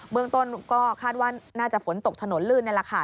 เมืองต้นก็คาดว่าน่าจะฝนตกถนนลื่นนี่แหละค่ะ